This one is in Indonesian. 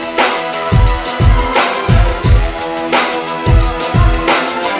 udah sore kita pulang aja